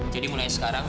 jadi mulai sekarang